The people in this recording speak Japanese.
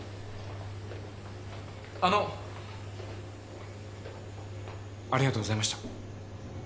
あのありがとうございました。